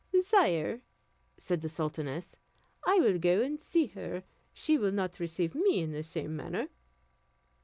"Sire," said the sultaness, "I will go and see her; she will not receive me in the same manner."